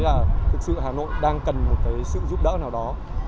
thực sự hà nội đang cần một sự giúp đỡ nào đó